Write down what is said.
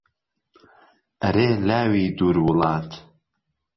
ئەرێ لاوی دوور وڵات